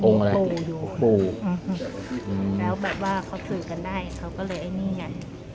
มีแล้วแบบว่าเขาถือกันได้เขาก็เลยไอ้นี่กัน